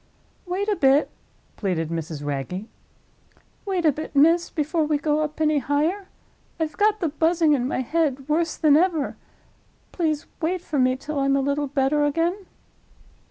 "Wait a bit," pleaded Mrs. Wragge. "Wait a bit, miss, before we go up any higher. I've got the Buzzing in my head worse than ever. Please wait for me till I'm a little better again."